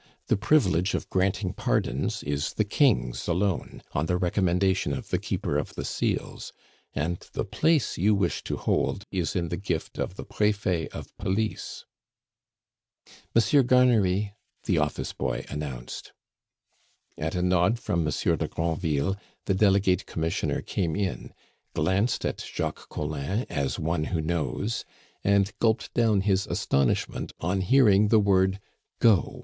The privilege of granting pardons is the King's alone, on the recommendation of the Keeper of the Seals; and the place you wish to hold is in the gift of the Prefet of Police." "Monsieur Garnery," the office boy announced. At a nod from Monsieur de Granville the Delegate commissioner came in, glanced at Jacques Collin as one who knows, and gulped down his astonishment on hearing the word "Go!"